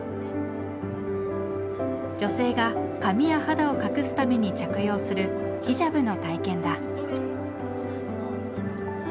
女性が髪や肌を隠すために着用するヒジャブの体験だ。